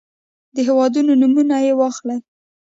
د هېوادونو نومونه يې واخلئ.